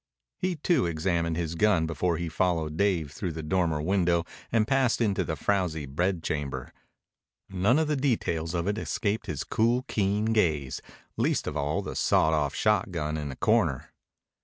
He, too, examined his gun before he followed Dave through the dormer window and passed into the frowsy bedchamber. None of the details of it escaped his cool, keen gaze, least of all the sawed off shotgun in the corner.